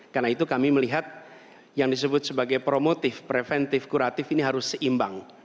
karena itu kami melihat yang disebut sebagai promotif preventif kuratif ini harus seimbang